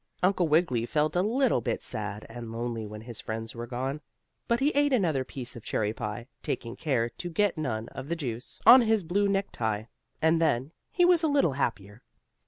Uncle Wiggily felt a little bit sad and lonely when his friends were gone, but he ate another piece of cherry pie, taking care to get none of the juice, on his blue necktie, and then he was a little happier.